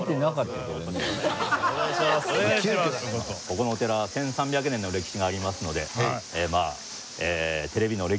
ここのお寺は１３００年の歴史がありますのでおっ！